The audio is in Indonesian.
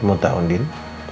mau tahu din